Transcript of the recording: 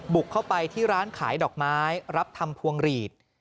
บุกเข้าไปที่ร้านขายดอกไม้รับทำพวงหลีด